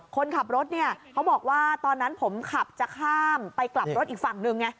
คนขับรถเนี่ยเขาบอกว่าตอนนั้นผมขับจะข้ามไปกลับรถอีกฝั่งหนึ่งไง